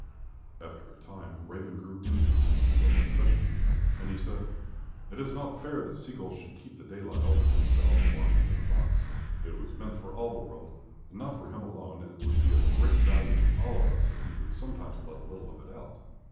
After a time Raven grew envious of Sea gull's possession. And he said, "It is not fair that Sea gull should keep the daylight all to himself locked up in a box. It was meant for all the world and not for him alone, and it would be of great value to all of us if he would sometimes let a little of it out."